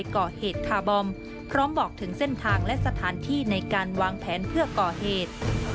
ก็บอกถึงเส้นทางและสถานที่ในการวางแผนเพื่อก่อเหตุ